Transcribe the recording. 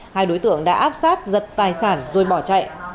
hai đối tượng đã áp sát giật tài sản rồi bỏ chạy